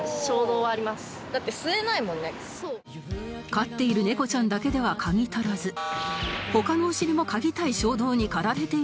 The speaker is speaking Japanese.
飼っている猫ちゃんだけでは嗅ぎ足らず他のお尻も嗅ぎたい衝動に駆られているんだそう